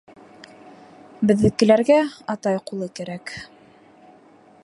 Беҙҙекеләргә атай ҡулы кәрәк.